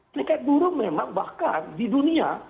serikat buruh memang bahkan di dunia